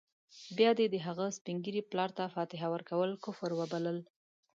بيا دې د هغه سپین ږیري پلار ته فاتحه ورکول کفر وبلل.